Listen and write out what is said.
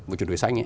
với chuyển đổi xanh